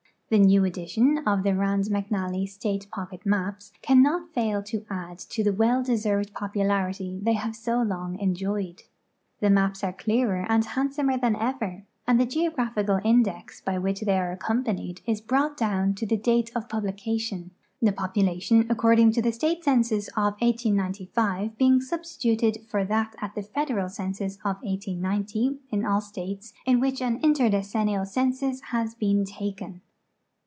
The new edition of the Kand McNally state pocket maps cannot fail to add to the well deserved popularity they have so long enjoyed. The maps are clearer and handsomer than ever, and the geographical index by which they are accompanied is brought down to the date of publication, the population according to tlie state census of 1895 being substituted for that at the federal census of 1890 in all states in which an interdecennial census has been taken.